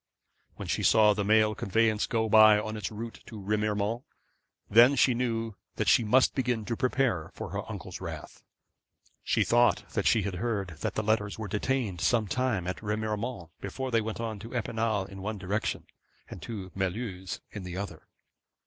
When she saw the mail conveyance go by on its route to Remiremont, then she knew that she must begin to prepare for her uncle's wrath. She thought that she had heard that the letters were detained some time at Remiremont before they went on to Epinal in one direction, and to Mulhouse in the other.